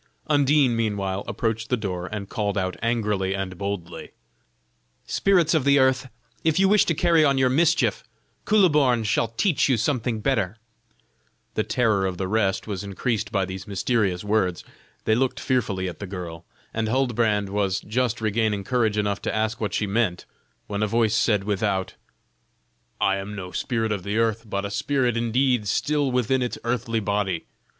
Undine meanwhile approached the door and called out angrily and boldly: "Spirits of the earth, if you wish to carry on your mischief, Kuhleborn shall teach you something better." The terror of the rest was increased by these mysterious words; they looked fearfully at the girl, and Huldbrand was just regaining courage enough to ask what she meant, when a voice said without: "I am no spirit of the earth, but a spirit indeed still within its earthly body.